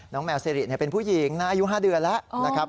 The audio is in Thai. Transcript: น้องแมวซิริเนี่ยเป็นผู้หญิงอายุห้าเดือนแล้วน่าครับ